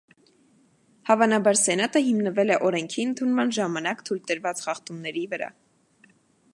Հավանաբար սենատը հիմնվել է օրենքի ընդունման ժամանակ թույլ տրված խախտումների վրա։